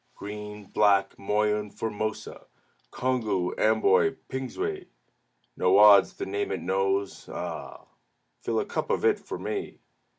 Green, Black, Moyune, Formosa, Congou, Amboy, Pingsuey No odds the name it knows ah! Fill a cup of it for me!